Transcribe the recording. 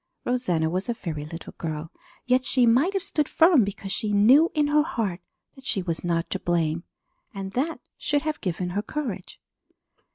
Rosanna was a very little girl, yet she might have stood firm because she knew in her heart that she was not to blame and that should have given her courage.